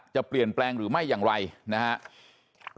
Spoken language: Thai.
จะเปลี่ยนแปลงหรือไม่อย่างไรนะครับ